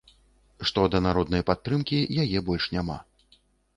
Што да народнай падтрымкі, яе больш няма.